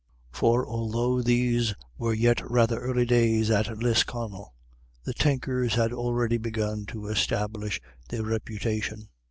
For although these were yet rather early days at Lisconnel, the Tinkers had already begun to establish their reputation.